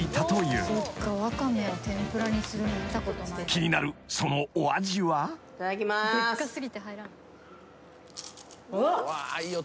［気になるそのお味は］いただきます。